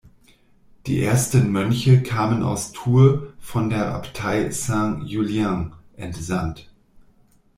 Die ersten Mönche kamen aus Tours, von der Abtei Saint-Julien entsandt.